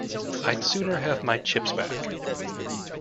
I'd sooner have my chips back.